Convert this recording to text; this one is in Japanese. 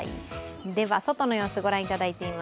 では外の様子、ご覧いただいています。